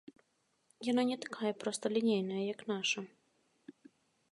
Яна не такая просталінейная, як наша.